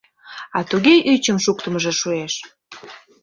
А туге ӱчым шуктымыжо шуэш!